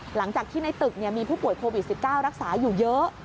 หลังจากที่ในตึกมีผู้ป่วยโควิด๑๙รักษาอยู่เยอะ